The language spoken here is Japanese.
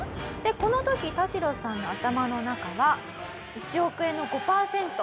この時タシロさんの頭の中は１億円の５パーセント。